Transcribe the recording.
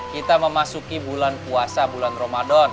kita memasuki bulan puasa bulan ramadan